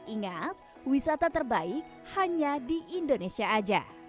ingat wisata terbaik hanya di indonesia saja